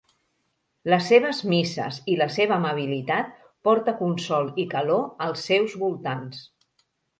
Les seves misses i la seva amabilitat porta consol i calor als seus voltants.